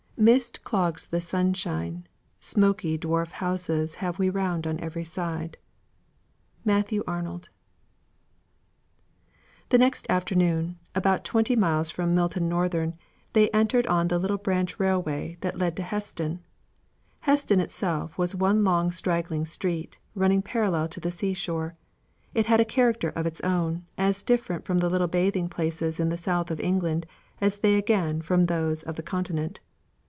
"Mist clogs the sunshine, Smoky dwarf houses Have we round on every side." MATTHEW ARNOLD. The next afternoon, about twenty miles from Milton Northern, they entered on the little branch railway that led to Heston. Heston itself was one long straggling street, running parallel to the seashore. It had a character of its own, as different from the little bathing places in the south of England as they again from those of the continent.